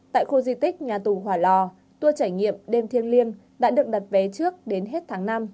tại khu di tích nhà tù hòa lò tour trải nghiệm đêm thiêng liêng đã được đặt vé trước đến hết tháng năm